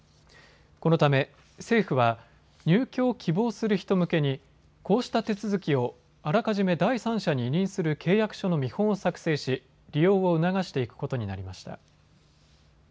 このため政府は入居を希望する人向けにこうした手続きをあらかじめ第三者に委任する契約書の見本を作成し、利用を促していくことになりました。